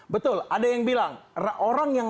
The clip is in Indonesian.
betul ada yang bilang orang yang